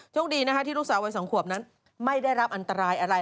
โชคดีนะคะที่ลูกสาววัย๒ขวบนั้นไม่ได้รับอันตรายอะไร